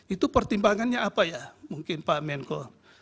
itu pertimbangannya apa ya mungkin pak menko